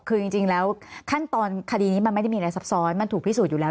คือจริงแล้วขั้นตอนคดีนี้มันไม่ได้มีอะไรซับซ้อนมันถูกพิสูจน์อยู่แล้ว